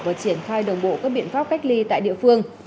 và triển khai đồng bộ các biện pháp cách ly tại địa phương